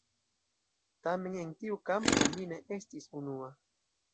Tamen en tiu kampo li ne estis unua.